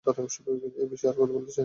এ বিষয়ে আর কথা বলতে চাই না।